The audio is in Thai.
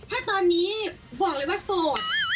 ถ้าตอนนี้บอกเลยว่าโสด